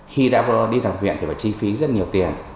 thì phải chi phí rất nhiều tiền